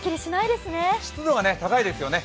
湿度が高いですね。